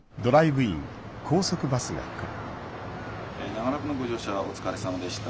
長らくのご乗車お疲れさまでした。